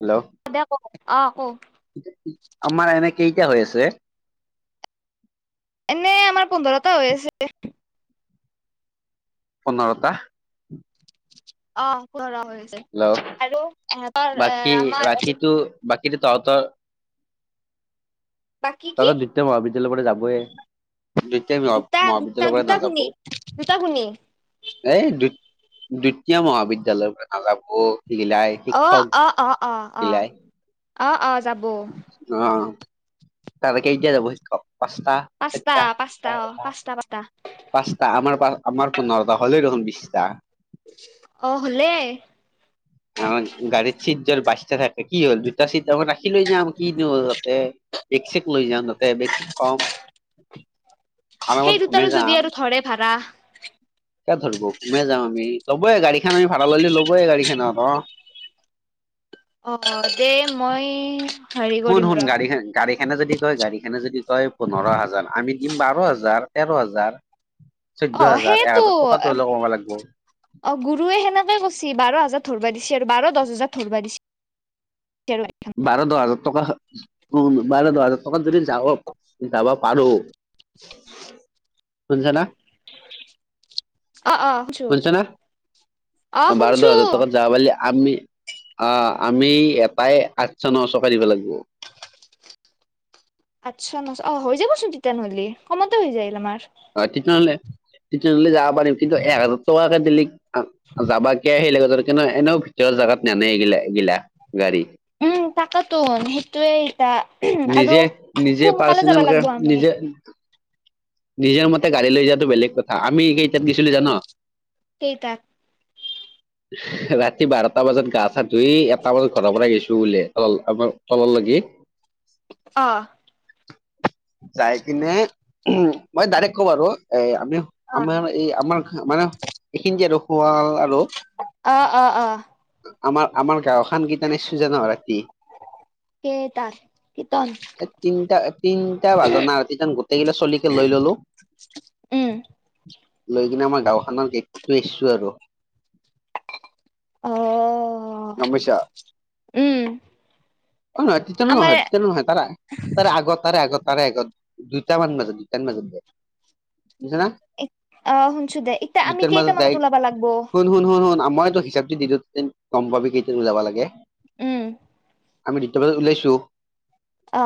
Hello দে ক অ ক আমাৰ এনে কেইটা হৈ আছে? এনেই আমাৰ পোন্ধৰটা হৈ আছে। পোন্ধৰটা অ [unintelligible] হৈ যায় হেল্ল' আৰু এহঁতৰ এ আমাৰ বাকীটো তহঁতৰ, বাকী কি তহঁতৰ দু তে লগতে যাবয়ে। দুইটাই দুটা দুটা মহা-মহাবিদ্যয়ালয়ৰ পৰা দুটা নাযাব। গুণী দুটা গুণী এই দু দ্বিতীয় মহাবিদ্যয়ালয়ৰ পৰা নাযাব। গিলাই অ শিক্ষক অ অ অ অ গিলাই অ অ যাব অ তাহালে কেতিয়া যাব শিক্ষক পাঁচটা, পাঁচটা চাইটা, দুটা, পাঁচটা অ এটা? পাঁচটা পাঁচটা পাঁচটা আমাৰ আমাৰ পোন্ধৰটা, হ'লেই দেখোন বিশটা। অ হ'লে আাৰ গাড়ীৰ ক [unintelligible] বাচ থাকে কি হ'ল। দুটা চিট আকৌ ৰাখি লৈ যাম কিনো হ'ল তাতে। বেক-চেক লৈ যাম তাতে। বেক-চেক থম আৰামত সেই ঘুমে দুটাৰো যদি যাম। আৰু ধৰে ভৰা। এ ধৰিব কমে যাম আমি লবয়ে গাড়ীখন আ ভড়া ললে ল'বয়ে গাড়ীখনত আকৌ [unintelligible] অ দে মই‍ শুন শুন গাড়ী গাড়ীখনে যদি কয় গাড়ীখনে যদি কয় পোন্ধৰ হাজাৰ আমি বাৰ হাজাৰ তেৰ হাজাৰ চৈধ্য অ হাজাৰ এক সেইটো হাজাৰ টকাটো হ'লেও কমাব লাগিব অ গুৰুৱে সেনেকে কৈছে বাৰ হাজাৰ ধৰিবা দি আৰু বাৰ দহ হাজাৰ ধৰিব দিছ বাৰ দহ হাজাৰ টকা উ বাৰ দহ হাজাৰ টকাত যদি যাব যাবা পাৰো শুনছা না অ অ শুনছো শুনছা না অ বাৰ দহ শুনছো হাজাৰ টকা যাব বুলি আমি আহ আমি এটাই আঠ চ ন চকৈ দিব লাগিব আচ্ছা নহ অ হৈ যাবচোন তেতিয়াহলে কমতে হৈ যায় তুমাৰ হয় তেতিয়াহ'লে তেতিয়াহ'লে যাব পাৰিম কিন্তু এক হাজাৰ টকাকে দিলি যাবাকিয় আহিল কিন্তু এনেও ভিতৰৰ জোগাত নেনেইগিলা এগিলা গাড়ী উম তাকেতো সেইটোৱে এা আৰু নিজে নিজে সোনকালে যাব পাৰ্চনেল কে লাগিব আমি নিজে নিজৰ মতে গাড়ী লৈ যোৱাটো বেলেগ কথা আমি কেইটাত গৈছিলো জান কেইটাত ৰাতি বাৰটা বজাত গা চা ধুই এটা বজাত ঘৰৰ পৰা গৈছো বোলে তল আমাৰ তলৰ লাগি অ চাই কিনে মই ডাইৰেক্ কম আৰু এ আমি অ আমাৰ এই আমাৰ মানে এইখিনি যে আৰু শুৱাল আৰু অ অ অ আমাৰ আমাৰ গাঁওখন গীতানে চুজান হয় সেই তা এ তিনটা তিনটা বাজানাই আৰু তিনিট গোটেই কিলা চলি লৈ ললো উম লৈ কিনে আমাৰ গাঁওখনৰ গেটটো এচু আৰু অ গামিছা উম হয় নহয় তিয়া আমাৰ নহয় তিয়া নহয় তাৰে তাৰে আগত তাৰে আগত তাৰে আগত দুইটামান বাজে জন্ম জন্দে ছে ন অ শুনছো দে এতিয়া আমি দুটাৰ মাজ কেইটামানত যায় ওলাবা লাগব হন হন হ হ আ মই এইটো হিচাপ তো দি দিও গম পাবি কেইটাত ওলাব লাগে উম আমি দুটা বজাত ওলাইছো অ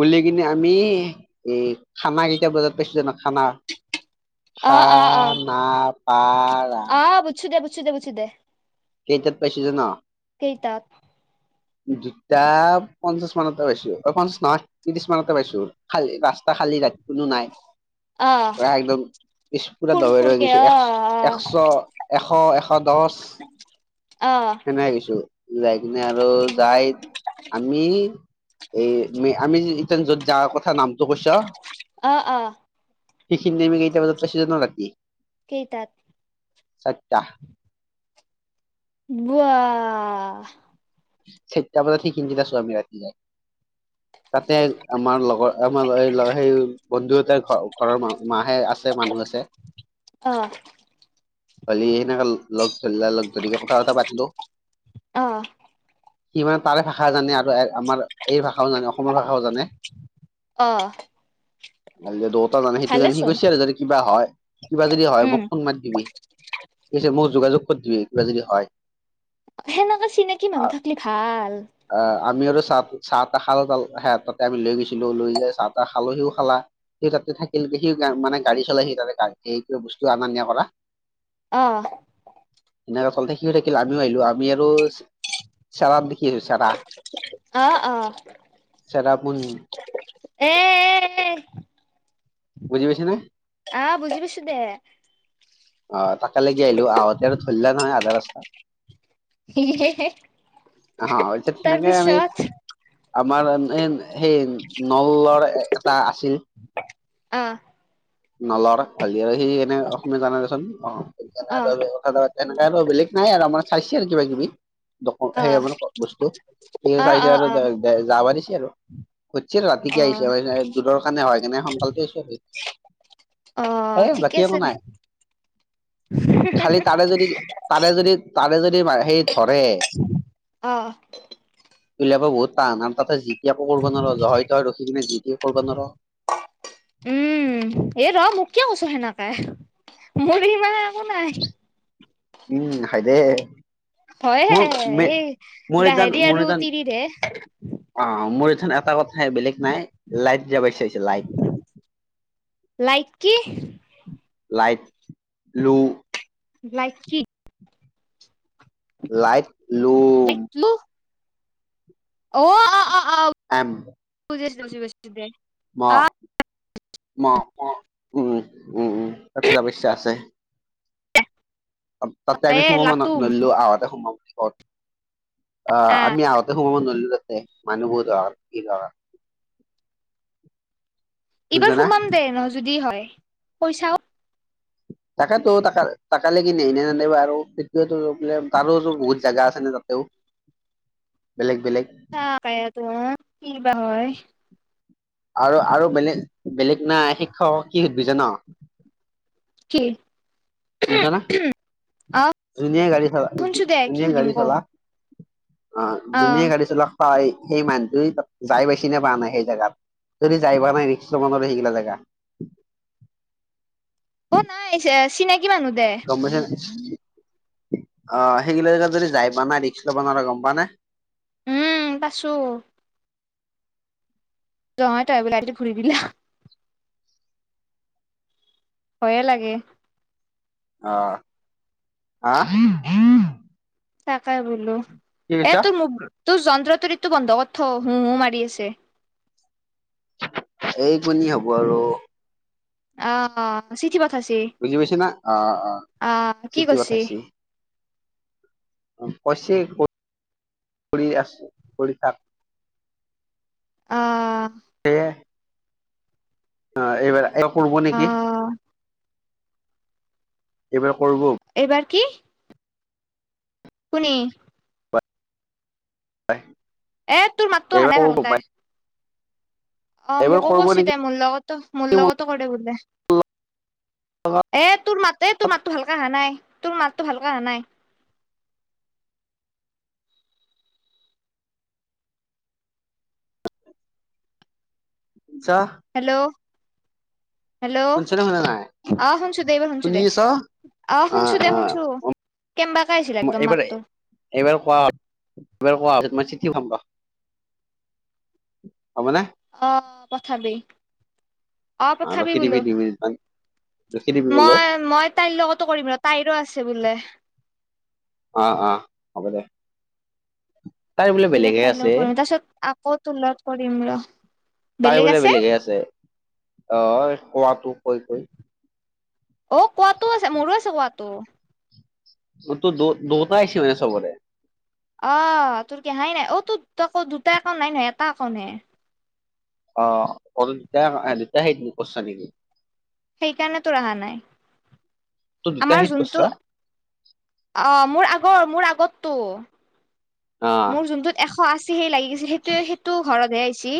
ওলাই কিনে আমি এই সাত কেতিয়া বজাত পাইছ ন খানা অ অ অ খানা পা মুছি দে মুছি দে কেইটাত পাইছো যান শিক ত দুটা পঞ্চাশ মানতে বাইছো পঞ্চাশ নহয় কছমানতে পাইছো খাল ৰাস্তা খালী ৰা কোনো নাই অ ইচপুৰা ফুৰ দবাই ৰ ফুৰকে গৈছো অ এক এশ এশ এশ দহ অ সেনে কিছু যাই কিনে আৰু যাই আমি এই আমি ইতি য'ত যাৰ কথা নামটো কৈছ অ অ অ সেইখিন নেমি কেইটা বজাত পাইছে জান ৰাতি? কেইটাত? চাৰিটা। বোৱাহ! ! চাইটা বজাত সেইখিনকেইটা চমি ৰাতি যায় তাতে আমাৰ লগৰ আমাৰ সেই বন্ধু এটাৰ ঘৰ ঘৰৰ মাহে আছে মানুহ আছে। অ। কালি সেনেকে লগ ধৰিলা লগ ধৰিকে কথা- চথা পাতিলো। অ। সি মানে তাৰে ভাষা জানে আৰু আমাৰ এই ভাষাও জানে অসমৰ ভাষাও জানে অ', [unintelligible] জানে সেইটো কাৰণে সি ভালেচোন কৈছে আৰু যদি কিবা হয় কিবা যদি হয় উম, মোক ফোন মাৰি দিবি। কৈছে মোক যোগাযোগ কৰি দিবি কিবা যদি হয়। সেনেকে চিনাকি মানুহ আ- থাকিলে ভাল। আহ, আমি আৰু চাহ চাহ-তাহ খাল সেহেতৰ তাতে আমি লৈ গৈছিলো লৈ যাই চাহ-তাহ খালো সিও খালা। সি তাতে থাকিলগে সি মানে গাড়ী চলাই সি তাতে সেই বস্তু অনা নিয়া কৰা। অ। সেনেকে [unintelligible] সিও থাকিল আমিও আহিলো আমি আৰু চেৰাত দেখি আছো চেৰা। অ অ চেৰাপুঞ্জী এই বুজি পাইছানে? অ বুজি পাইছো দে। অ তাকে লেকি আহিলো আহোঁতে আৰু ধৰিলে নহয় আধা ৰাস্তা [unintelligible] অ তেনেকে আমি তাৰপিছত আমাৰ সেই নলৰ এটা আছিল অ। নলৰ ভাল আৰু সেই এনে অসমীয়া জানে দেচোন অ', তেনেকে আৰু বেলেগ নাই আৰু আমাৰ। পাইছে আৰু কিবা কিবি সেই অ', মানে বস্তু পুলিচ অ', অ', আহিছে অ', আৰু যাব দিছে। [unintelligible] ৰাতিকে অ', আহিছে দূৰৰ কাৰণে হয় কেনে সোনকালে [unintelligible] অ ঠিকে আছে দে। খালি তাৰে যদি তাৰে যদি তাৰে যদি সেই ধৰে অ। উলিয়াব বহুত তাৰ তাতে যিতি একো কৰিব নোৱাৰ হই তই ৰখি কিনে যিতি কৰিব নোৱাৰ। উম এই ৰ মোক কিয় কৈছো সেনেকে মোৰ সিমানে একো নাই। উম হয় দে। মোৰ হয়হে মে এই মোৰ এটা গাহেৰি মোৰ আৰু এটা তিৰিৰে অ মোৰ এটা কথাই বেলেগ নাই লাইট যাব চাইছে লাইট লাইট কি [inaudible] লাইট লু লাইট কি? লাইট ব্লু লাইট ব্লু অ অ অ অ এম বুজি পাইছো বুজি পাইছো দে ম অ। ম উম উম উম তাতো যাব ইচ্ছা আছে। তাতে আমি এ সোমাব ন লাটুম নোৱাৰিলো আহোঁতে সোমাব অ আহ আমি আহোঁতে সোমাব নোৱাৰিলো তাতে মানুহ বহুত [inaudible] শুনছ এইবাৰ না সোমাম দে ন যদি হয় পইচাও [inaudible] তাকোতো তাকালে কিনি এনে নানিব আৰু তেয়ো বোলে তাৰো বহুত জেগা আছে ন তাতেও। বেলেগ বেলেগ। [unintelligible] কি বা হয়। আৰু আৰু বেলেগ বেলেগ নাই শিক্ষক কি সুধবি জান? কি? শুন'ছ না জুনীয়া গাড়ী চ শুনছো দে কি যোনে সুধিম গাড়ী ক চলা অ', যোনে গাড়ী চলাওক হয়, সেই মানুহটো তাত যাই বেছি নে পোৱা নাই সেই জেগাত? যদি যাই পোৱা নাই ৰিস্ক লব নোৱাৰোঁ সেইবিলাক জেগা। অ', নাই চিনাকি মানুহ দে। গম পাইছা নে অ', সেইগিলা জেগাত যদি যাই পোৱা নাই ৰিক্সা লব নোৱাৰা গম পাওঁ নে? উম, পাছো। [unintelligible] ভয়ে লাগে। অ', আ, তাকেই বোলো এইটো তোৰ যন্ত্ৰটো ঋতু বন্ধ কৰি থ হুম হুম মাৰি আছে। এইকণি হ'ব আৰু। অ', অ', চিতি বচ বুজি পাইছা না অ অ অ', কি চিঠি কৰছি? পঠাইছি কৈছে কৰি আছোঁ কৰি থাক। অ', অ', এইবাৰ এই কৰ'ব নেকি। আহ এইবাৰ কৰিব এইবাৰ কি? কোনে? হয়, এ তোৰ মাতটো আহা নাই ভালকে। অ', এইবাৰ মোকো কৰিব কৈছে নেকি দে মোৰ লগতো মোৰ লগতো কৰে বোলে। এ তোৰ মাতটো এ তোৰ মাতটো ভালকে আহা নাই। তোৰ মাতটো ভালকে আহা নাই। শুনছা হেল্ল' হেল্ল' শুনছা নে শুনা নাই অ', শুনছো এইবাৰ শুনছো শুনি দে। আছ অ অ অ', শুনছো দে শুনছো। কেনবাকে আহিছিল একদম এইবাৰ মাতটো এইবাৰ কোৱা এইবাৰ কোৱা মই চিঠি পাম ৰ। হ'ব নে? অ', পঠাবি অ', পঠাবি ৰখি দিবি বোলো। দুই মিনিট মান ৰখি দিবি বোলো মই মই তাইৰ লগতো কৰিম তাইৰো আছে বোলে। অ', অ', হ'ব দে। তাইৰ বোলে এইবাৰ বেলেগহে তাই আছে লগত কৰিম তাৰ পিছত আকৌ তোৰ লগত কৰিম ৰ'। তাই বোলে বেলেগে আছে অ', এ খোৱাটো কৈ কৈ। অ', কোৱাটো আছে মোৰো আছে কোৱাটো। তোৰ দোতা দোতা আহিছে মানে চবৰে। অ', তোৰ কেহাই নাই অ, তোৰ তৌ দুটা একাউণ্ট নাই নহয় এটা একাউণ্ট হে। অ', অ', দু দুতাই সেই দিম কছা নেকি? সেইকাৰণে তোৰ আহা নাই। তোৰ দুটা আমাৰ হেৰিত যোনটো কৰ'ছ। অ', মোৰ আগৰ মোৰ আগতটো। অ মোৰ যোনটোত এশ আশী হে লাগি গৈছে সেইটোৱে সেইটো ঘৰতহে আহছি।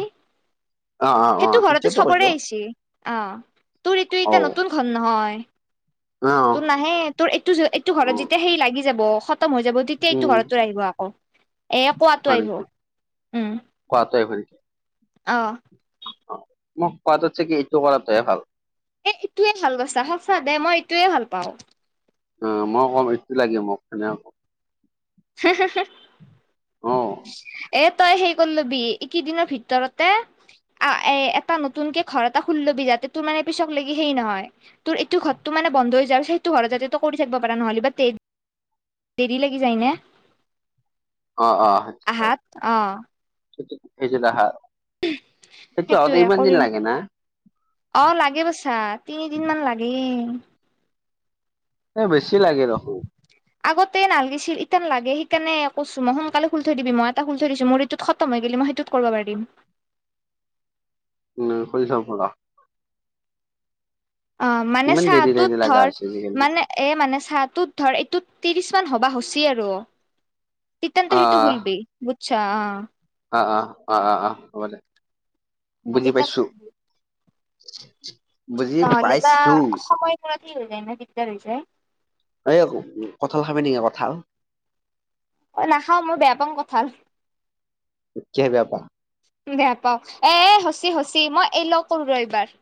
অ', অ', অ', সেইটো ঘৰতে সেইটোৱেতো চবৰে কৈছো আহছে অ' তোৰ ইটো এতিয়া অ', নতুন ঘৰ নহয়। অ', অ', তোৰ নাহে তোৰ এইটো এইটো ঘৰত যেতিয়া সেই লাগি যাব স সতম হৈ যাব। তেতিয় এইটো উম, ঘৰতো আহিব আকৌ এ কোৱাটো হয় আহিব নেকি উম। [inaudible] অহ। মই কোৱাটোকে থাকি এইটো কৰাটো হে ভাল। এ ইটোৱে ভাল গৈছা সঁচা দে মই ইটোয়ে ভাল পাওঁ। অ', মই কম এইটো লাগে মোক সেনেকে কম। [inaudible] অ'। এ তই হে কৰি লবি এইকেই দিনৰ ভিতৰতে আ এ এটা নতুন কে ঘৰ এটা খুলি লবি যাতে তোৰ মানে পিছকে সেই নহয় তোৰ এইটো ঘৰতো মে বন্ধ হৈ যায় আৰু সেইটো ঘৰত যাতে তোই কৰি থাক পাৰা নহ'লে বা তে দেৰি লাগি যায়নে। অ', অ', সেইটো হয়। সেই যে দেখা সেটো হওতে সেইটোয়ে ইমান কৰি দিন লাগে না? অ', লাগে বৈচা তিনিদিন মান লাগেই। এ বেছি লাগে ৰখো। আগতে নালাগিছিল। ইটান লাগে সেইকাৰণে কৈছো মই সোনকালে খুলি থৈ দিবি। মই এটা খুলি থৈ দিছো মোৰ ইটোত খতম হৈ গি মই সিটোত কৰিব পাৰিম। উম, [unintelligible] অ', মানে ইমান চা দেৰি টোৰ দেৰি লাগা ধৰ হৈছে আজিকালি মানে এ মানে চাটোত ধৰ এইটোত ত্ৰিশ মান হ'বা হচি আৰু তিতান্ত সেইটো অ'। খুলবি বুজছা আহ। অ', অ', অ', অ', অ', হ'ব দে। বুজি পাইছো [inaudible] [inaudible] নহ'লে বা পাইছো। সময়ব হোৱাত কি হৈ যায় ন দিগদাৰ হৈ যায়। এই সু-সু কঁঠাল খাবি নেকি কঁঠাল? অ', নাখাওঁ মই বেয়া পাওঁ কঠাঁল। কিয়ে বেয়া পাৱ? বেয়া পাওণ এ হচি হচি। মই এ লৈ কৰো ৰ এইবাৰ।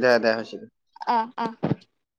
দে দে হৈছি দে। অ অ